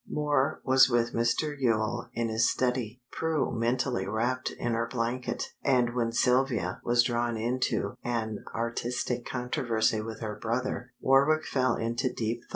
Moor was with Mr. Yule in his study, Prue mentally wrapped in her blanket, and when Sylvia was drawn into an artistic controversy with her brother, Warwick fell into deep thought.